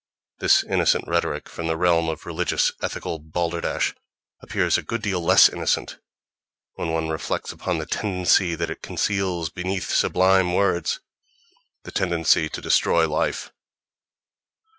This innocent rhetoric, from the realm of religious ethical balderdash, appears a good deal less innocent when one reflects upon the tendency that it conceals beneath sublime words: the tendency to destroy life.